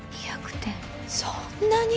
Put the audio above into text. そんなに！？